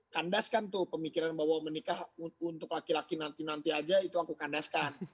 kandaskan tuh pemikiran bahwa menikah untuk laki laki nanti nanti aja itu aku kandaskan